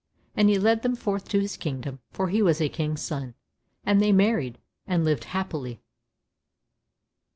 And he led them forth to his kingdom, for he was a King's son, and they married, and lived happily.